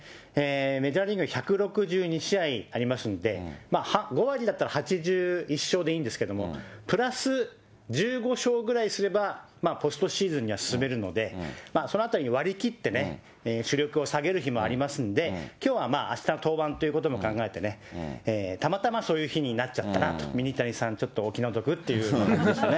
メジャーリーグ１６２試合ありますんで、５割だったら８１勝でいいんですけど、プラス１５勝ぐらいすれば、ポストシーズンには進めるので、そのあたり割り切ってね、主力を下げる日もありますんで、きょうはまあ、あした登板ということも考えて、たまたまそういう日になっちゃったなと、ミニタニさん、ちょっとお気の毒ってふうに思いますね。